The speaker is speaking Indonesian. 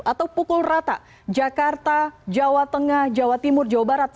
atau pukul rata jakarta jawa tengah jawa timur jawa barat